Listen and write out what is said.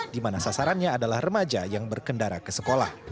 di mana sasarannya adalah remaja yang berkendara ke sekolah